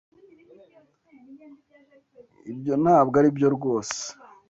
Ibyo ntabwo aribyo rwose.